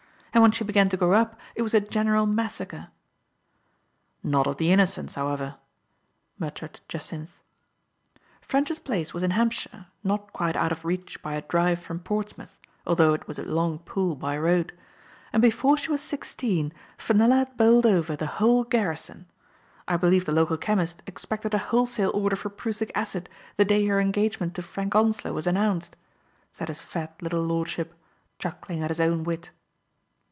And when she began to grow up it was a general massacre." "Not of the innocents, however," muttered Jacynth. "Ffrench's place was in Hampshire, not quite out of reach by a drive from Portsmouth, al though it was a long pull by road. And before she was sixteen, Fenella had bowled over the whole garrison. I believe the local chemist ex pected a wholesale order for prussic acid the day her engagement to Frank Onslow was an nounced," said his fat little lordship, chuckling at his own wit.